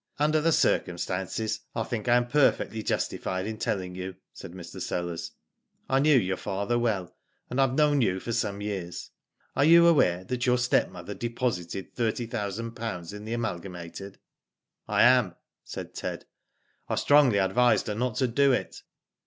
Under the circumstances, I think I am perfectly justified in telling you," said Mr. Sellers. I knew your father well, and I have known you for some years. Are you aware that your stepmother deposited thirty thousand pounds in the Amal gamated ?"" I am," said Ted. *' I strongly advised her not to do it."